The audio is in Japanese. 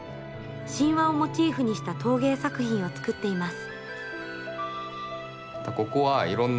神話をモチーフにした陶芸作品を作っています。